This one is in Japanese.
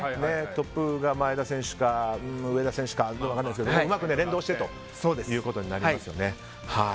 トップが前田選手か植田選手か分かりませんがうまく連動してということになりますね。